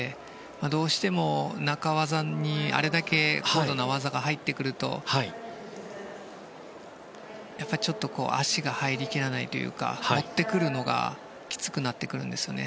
どうしても、中技にあれだけ高度な技が入ってくるとちょっと足が入りきらないというか持ってくるのがきつくなってくるんですよね。